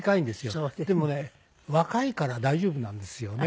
でもね若いから大丈夫なんですよね。